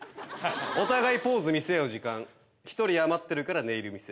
お互いポーズ見せ合う時間一人余ってるからネイル見せ。